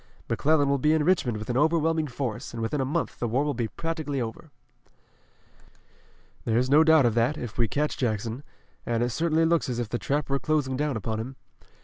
McClellan will be in Richmond with an overwhelming force, and within a month the war will be practically over." "There's no doubt of that, if we catch Jackson, and it certainly looks as if the trap were closing down upon him.